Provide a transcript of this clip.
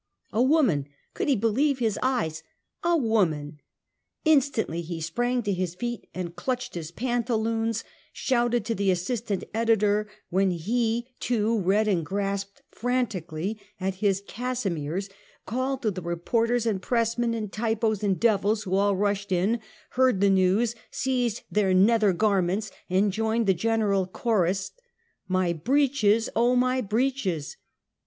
A woman! Could he believe his eyes? A woman! Instantly he sprang to his feet and clutched his pantaloons, shouted to the assistant editor, when he, too, read and grasped frantically at his cassimeres, called to the reporters and pressmen and typos and devils, who all ruslied in, heard the news, seized their nether garments and joined the general chorus, " My breeches! oh, my breeches!